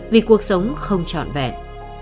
vì cuộc sống không trọn vẹn